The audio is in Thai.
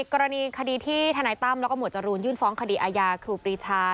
กรณีที่ธนัยตั้มและกับหมวดจรูนยื่นฟ้องคดีอายาครูปริชา